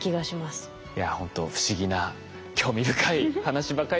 いやほんと不思議な興味深い話ばかりでした。